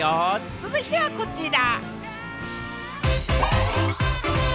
続いてはこちら。